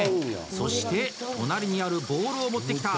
そして隣にあるボウルを持ってきた。